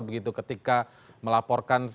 begitu ketika melaporkan